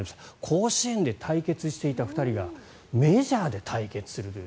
甲子園で対決していた２人がメジャーで対決するという。